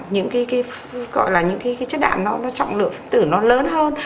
những cái gọi là những cái chất đạm nó trọng lượng tử nó lớn hơn